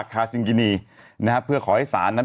คาซิงกินีนะฮะเพื่อขอให้ศาลนั้น